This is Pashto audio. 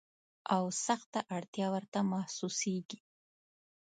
او سخته اړتیا ورته محسوسیږي.